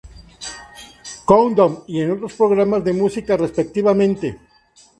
Countdown" y en otros programas de música, respectivamente.